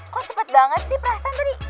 kok cepet banget nih perasaan tadi